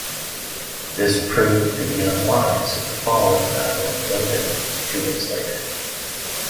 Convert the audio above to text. This proved to be unwise at the following Battle of Gumbinnen two days later.